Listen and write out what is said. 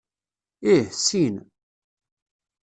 Ih, sin.